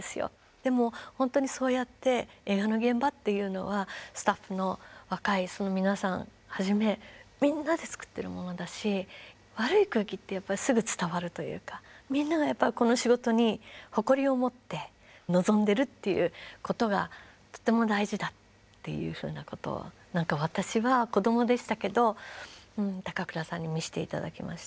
でも本当にそうやって映画の現場っていうのはスタッフの若い皆さんはじめみんなで作ってるものだし悪い空気ってやっぱりすぐ伝わるというかみんながこの仕事に誇りを持って臨んでるっていうことがとても大事だっていうふうなことを私は子どもでしたけど高倉さんに見せて頂きました。